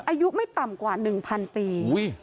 อายุไม่ต่ำกว่า๑๐๐ปี